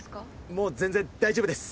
もう全然大丈夫です！